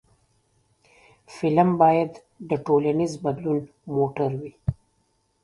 فلم باید د ټولنیز بدلون موټر وي